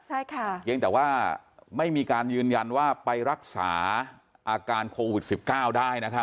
ใช่ค่ะเพียงแต่ว่าไม่มีการยืนยันว่าไปรักษาอาการโควิด๑๙ได้นะครับ